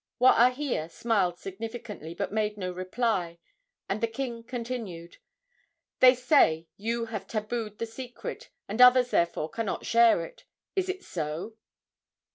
Waahia smiled significantly, but made no reply, and the king continued: "They say you have tabued the secret, and others, therefore, cannot share it. Is it so?"